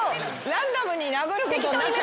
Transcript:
ランダムに殴ることになっちゃう。